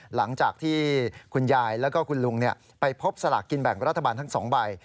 หลังจากที่คุณยายแล้วก็คุณลุงไปพบสลากกินแบ่งรัฐบาลทั้ง๒ใบ